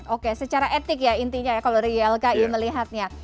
oke secara etik ya intinya ya kalau dari ylki melihatnya